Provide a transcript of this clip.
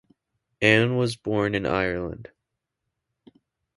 Anne was born in Ireland.